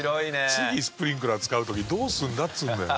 次スプリンクラー使う時どうするんだっつうんだよ。